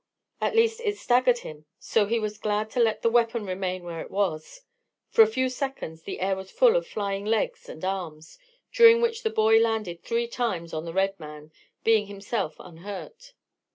At least, it staggered him so he was glad to let the weapon remain where it was. For a few seconds the air was full of flying legs and arms, during which the boy landed three times on the red man, being himself unhurt.